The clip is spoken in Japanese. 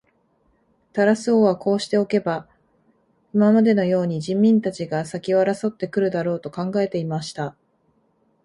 タラス王はこうしておけば、今までのように人民たちが先を争って来るだろう、と考えていました。